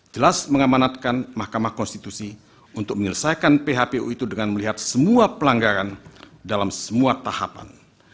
jelas mengamanatkan mahkamah konstitusi untuk menyelesaikan phpu itu dengan melihat semua pelanggaran dalam semua tahapan